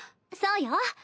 そうよ。